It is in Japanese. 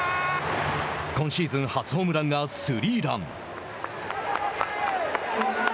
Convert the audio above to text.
今シーズン初ホームランがスリーラン。